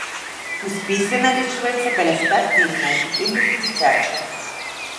У спісе налічаецца каля ста фільмаў, у тым ліку дзіцячыя.